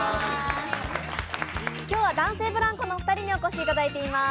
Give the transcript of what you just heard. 今日は男性ブランコのお二人にお越しいただいています。